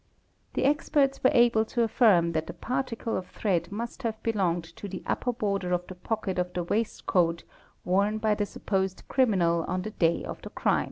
The experts were able to affirm that the particle of thread must _ have belonged to the upper border of the pocket of the waistcoat worn by U the supposed criminal on the day of the crime.